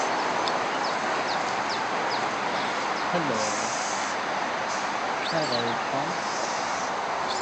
The regimental Pioneers form the escort to the colours when on parade.